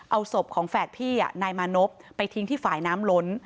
เอาศพของแฝดพี่นายมานพไปทิ้งที่ฝ่ายน้ำล้น